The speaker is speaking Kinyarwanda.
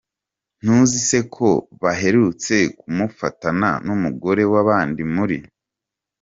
Ntuzi se ko baherutse kumufatana numugore wabandi muri.